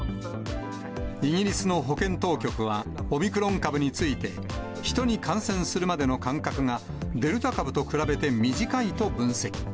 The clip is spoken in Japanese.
イギリスの保健当局は、オミクロン株について、人に感染するまでの間隔がデルタ株と比べて短いと分析。